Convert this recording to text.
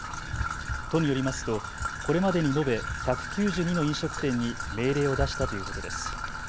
都によりますとこれまでに延べ１９２の飲食店に命令を出したということです。